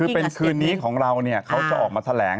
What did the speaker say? คือเป็นคืนนี้ของเราเขาจะออกมาแถลง